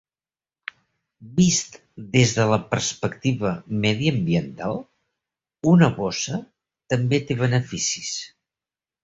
Vist des de la perspectiva mediambiental, una bossa també té beneficis.